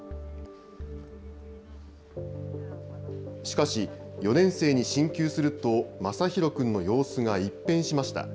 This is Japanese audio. しかし、４年生に進級すると、まさひろ君の様子が一変しました。